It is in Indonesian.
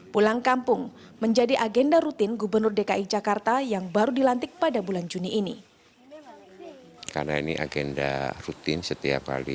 pulang kampung menjadi agenda rutin gubernur dki jakarta yang baru dilantik pada bulan juni ini